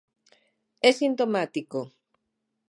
É sintomático.